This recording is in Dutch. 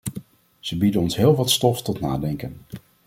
Ze bieden ons heel wat stof tot nadenken.